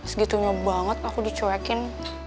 segitunya banget aku dicuekin